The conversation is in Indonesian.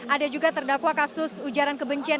ada juga terdakwa kasus ujaran kebencian